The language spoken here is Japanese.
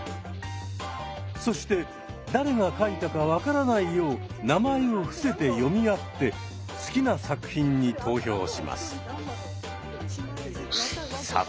そして誰が書いたか分からないよう名前を伏せて詠み合って好きな作品に投票します。